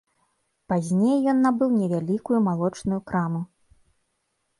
Пазней ён набыў невялікі малочную краму.